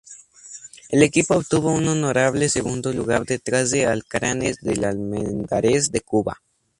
El equipo obtuvo un honorable segundo lugar detrás de Alacranes del Almendares de Cuba.